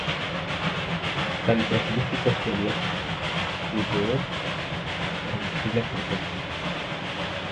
Posteriormente colaboraría en "Radio Voz" y la emisora "Radio Intereconomía".